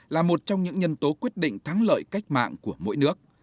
là một trong những nhân tố quyết định thắng lợi cách mạng của mỗi nước